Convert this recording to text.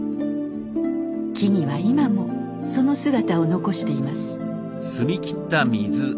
木々は今もその姿を残しています。